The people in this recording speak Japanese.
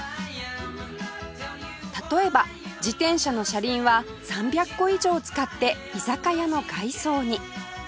例えば自転車の車輪は３００個以上使って居酒屋の外装に